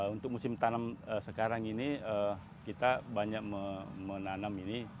untuk musim tanam sekarang ini kita banyak menanam ini